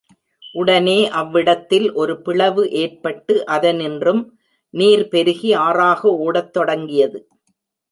உடனே அவ்விடத்தில் ஒரு பிளவு ஏற்பட்டு அதனின்றும் நீர் பெருகி ஆறாக ஓடத் தொடங்கியது.